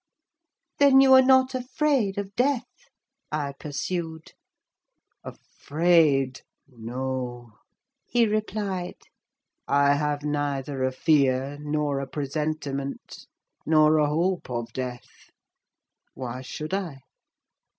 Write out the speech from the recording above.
"Then you are not afraid of death?" I pursued. "Afraid? No!" he replied. "I have neither a fear, nor a presentiment, nor a hope of death. Why should I?